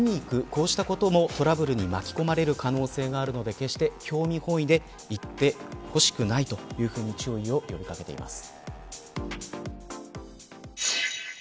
こうしたこともトラブルに巻き込まれる可能性があるので決して、興味本位で行ってほしくないというふうに注意を呼び掛けています。